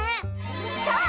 そう！